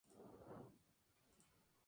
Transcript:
Circula un considerable volumen de vehículos.